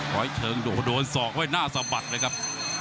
ร้อยเชิงดูโดนศอกไว้หน้าสะบัดเลยครับ